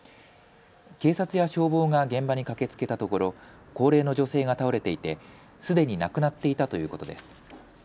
警察や消防が現場に駆けつけたところ高齢の女性が倒れていてすでに亡くなっていたということです。